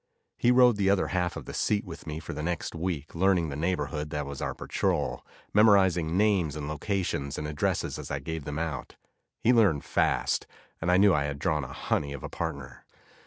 He rode the other half of the seat with me for the next week, learning the neighborhood that was our patrol, memorizing names and locations and addresses as I gave them out. He learned fast, and I knew I had drawn a honey of a partner.